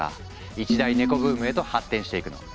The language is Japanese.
一大ネコブームへと発展していくの。